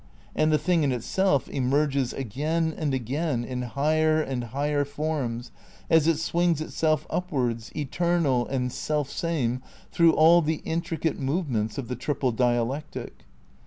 And the Thing in Itself emerges again and again in higher and higher forms, as it swings itself upwards, eternal and selfsame through all the intricate movements of the Triple Dialectic.